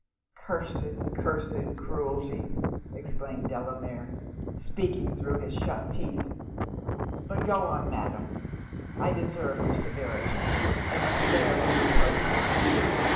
'Cursed, cursed cruelty!' exclaimed Delamere, speaking thro' his shut teeth But go on, Madam! I deserve your severity, and must bear your reproaches!